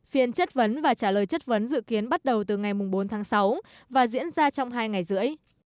phiên chất vấn và trả lời chất vấn dự kiến bắt đầu từ ngày bốn tháng sáu và diễn ra trong hai ngày rưỡi